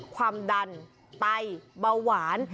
ความดันไตเบาหวาน